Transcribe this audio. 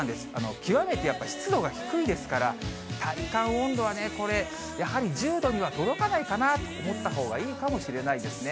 極めてやっぱ湿度が低いですから、体感温度はね、これ、やはり１０度には届かないかなと思ったほうがいいかもしれないですね。